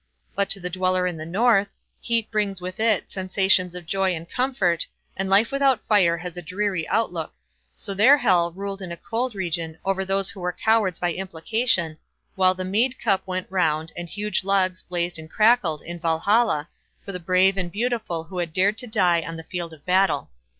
But to the dweller in the North, heat brings with it sensations of joy and comfort, and life without fire has a dreary outlook; so their Hel ruled in a cold region over those who were cowards by implication, while the mead cup went round, and huge logs blazed and crackled in Valhalla, for the brave and beautiful who had dared to die on the field of battle.